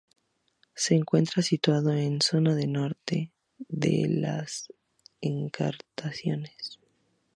Se encuentra situado en la zona norte de las Encartaciones.